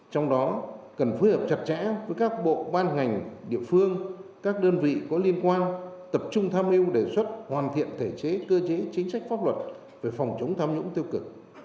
trong đó cần phối hợp chặt chẽ với các bộ ban ngành địa phương các đơn vị có liên quan tập trung tham mưu đề xuất hoàn thiện thể chế cơ chế chính sách pháp luật về phòng chống tham nhũng tiêu cực